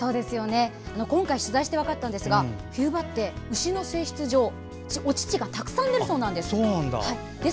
今回取材して分かったんですが冬場って牛の性質上乳がたくさん出るそうなんです。